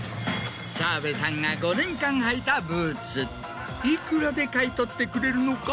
澤部さんが５年間履いたブーツいくらで買い取ってくれるのか？